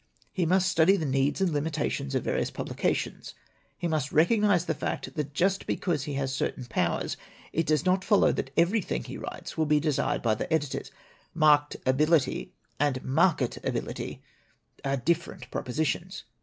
"He must study the needs and limitations of the various publications. He must recognize the fact that just because he has certain powers it does not follow that everything he writes will be desired by the editors. Marked ability and market ability are different propositions.